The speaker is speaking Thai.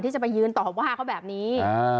จะไปยืนต่อว่าเขาแบบนี้